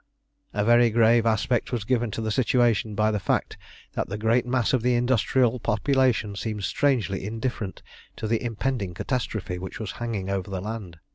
A very grave aspect was given to the situation by the fact that the great mass of the industrial population seemed strangely indifferent to the impending catastrophe which was hanging over the land.